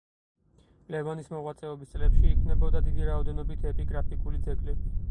ლევანის მოღვაწეობის წლებში იქმნებოდა დიდი რაოდენობით ეპიგრაფიკული ძეგლები.